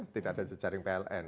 tidak ada jaring pln